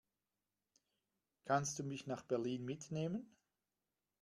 Kannst du mich nach Berlin mitnehmen?